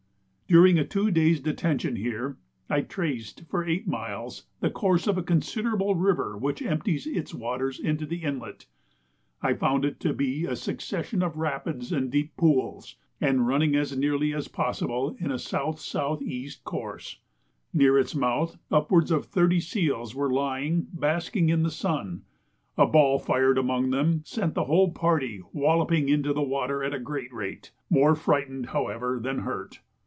During a two days' detention here I traced, for eight miles, the course of a considerable river which empties its waters into the inlet. I found it to be a succession of rapids and deep pools, and running as nearly as possible in a S.S.E. course. Near its mouth upwards of thirty seals were lying basking in the sun; a ball fired among them sent the whole party walloping into the water at a great rate, more frightened, however, than hurt.